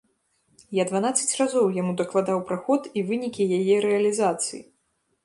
Я дванаццаць разоў яму дакладаў пра ход і вынікі яе рэалізацыі.